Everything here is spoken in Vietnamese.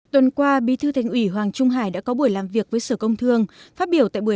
tuần qua bí thư thành ủy hoàng trung hải đã có buổi làm việc với sở công thương phát biểu tại buổi